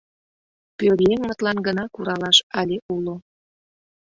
Пӧръеҥмытлан гына куралаш але уло.